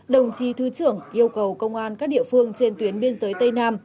đồng chí thứ trưởng yêu cầu công an các địa phương trên tuyến biên giới tây nam